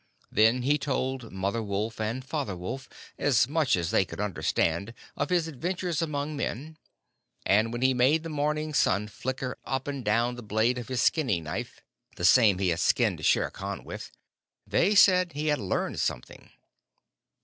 Then he told Mother Wolf and Father Wolf as much as they could understand of his adventures among men; and when he made the morning sun flicker up and down the blade of his skinning knife, the same he had skinned Shere Khan with, they said he had learned something.